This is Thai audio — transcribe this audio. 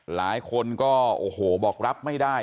หลายคนก็โอ้โหบอกรับไม่ได้